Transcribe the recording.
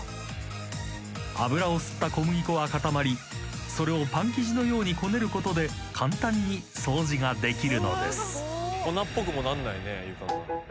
［油を吸った小麦粉は固まりそれをパン生地のようにこねることで簡単に掃除ができるのです］